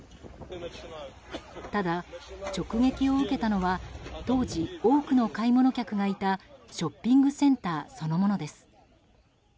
ただ、直撃を受けたのは当時、多くの買い物客がいたショッピングセンターそのものです。